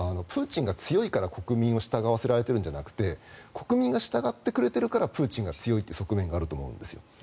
プーチンが強いから国民を従わせられるんじゃなくて国民が従ってくれるからプーチンが強いという側面があると思うんです。